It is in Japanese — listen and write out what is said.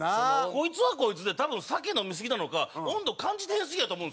こいつはこいつで多分酒飲みすぎたのか温度感じてへんすぎやと思うんですよ。